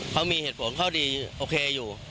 เขามีเหตุผลเขาดีโอเคอยู่